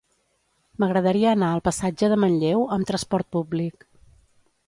M'agradaria anar al passatge de Manlleu amb trasport públic.